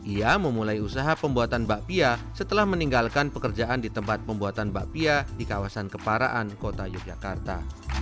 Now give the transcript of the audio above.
ia memulai usaha pembuatan bakpia setelah meninggalkan pekerjaan di tempat pembuatan bakpia di kawasan keparaan kota yogyakarta